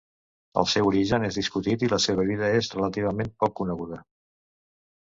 El seu origen és discutit i la seva vida és relativament poc coneguda.